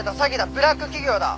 ブラック企業だ！